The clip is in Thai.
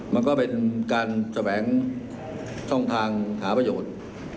มันก็เป็นการแสวงช่องทางหาประโยชน์